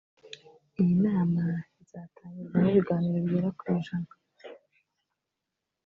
Iyi nama izatangirwamo ibiganiro bigera ku ijana